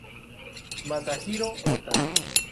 Masahiro Ota